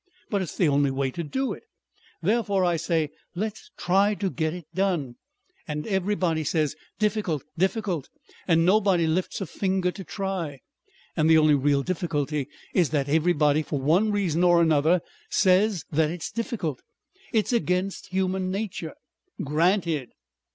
But it's the only way to do it. Therefore, I say, let's try to get it done. And everybody says, difficult, difficult, and nobody lifts a finger to try. And the only real difficulty is that everybody for one reason or another says that it's difficult. It's against human nature. Granted!